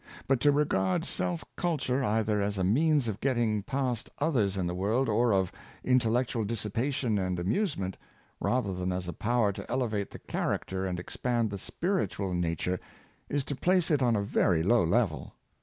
But to regard self culture either as a means of getting past others in the world, or of intellectual dissipation and amusement, rather than as a power to elevate the character and expand the spiritual nature, is to place it on a very low level.